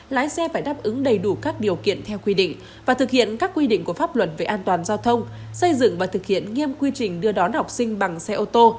lái xe phải đáp ứng đầy đủ các điều kiện theo quy định và thực hiện các quy định của pháp luật về an toàn giao thông xây dựng và thực hiện nghiêm quy trình đưa đón học sinh bằng xe ô tô